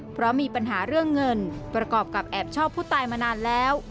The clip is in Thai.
เพราะมีปัญหาเรื่องเงินประกอบกับแอบชอบผู้ตายมานานแล้ว